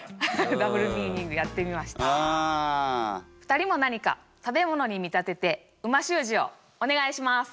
２人も何か食べ物に見立てて美味しゅう字をお願いします。